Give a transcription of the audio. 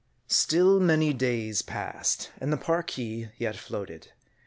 STILL many days passed and the Parki yet floated.